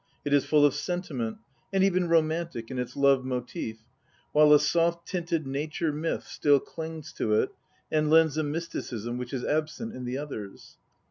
It is full of sentiment, and even romantic in its love motive, while a soft tinted nature myth still clings to it, and lends a mysticism which is absent in the others.